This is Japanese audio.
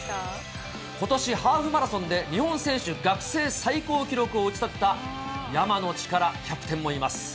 ことし、ハーフマラソンで日本選手学生最高記録を打ち立てた山野力キャプテンもいます。